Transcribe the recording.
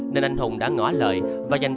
nên anh hùng đã ngỏ lời và dành cho chính linh